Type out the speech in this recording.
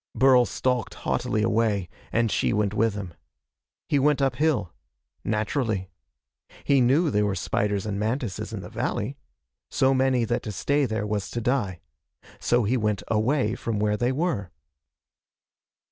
Burl stalked haughtily away, and she went with him. He went uphill. Naturally. He knew there were spiders and mantises in the valley. So many that to stay there was to die. So he went away from where they were.